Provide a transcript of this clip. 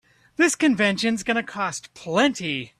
This convention's gonna cost plenty.